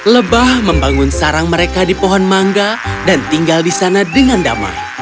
lebah membangun sarang mereka di pohon mangga dan tinggal di sana dengan damai